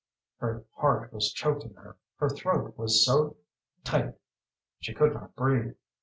Her heart was choking her. Her throat was so tight she could not breathe.